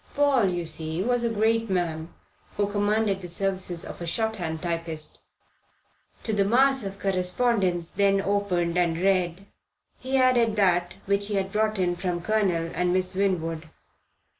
Paul, you see, was a great man, who commanded the services of a shorthand typist. To the mass of correspondence then opened and read he added that which he had brought in from Colonel and Miss Winwood.